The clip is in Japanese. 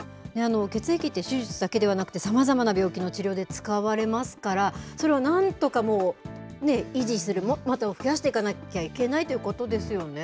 血液って手術だけではなくて、さまざまな病気の治療で使われますから、それはなんとか維持する、または増やしていかなきゃいけないということですよね。